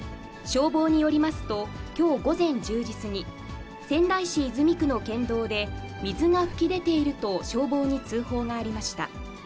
消防によりますと、きょう午前１０時過ぎ、仙台市泉区の県道で、水が噴き出ていると消防に通報がありました。